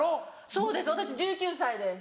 そうです私１９歳です。